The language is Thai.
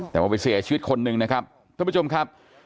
แต่ว่าไปเสียชีวิตคนหนึ่งนะครับท่านผู้ชมครับ